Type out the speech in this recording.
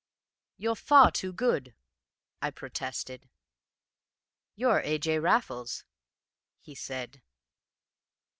"'You're far too good!' I protested. "'You're A. J. Raffles,' he said.